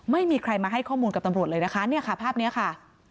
ไม่มีใครมาให้ข้อมูลกับตำรวจเลยนะคะเนี่ยค่ะภาพนี้ค่ะ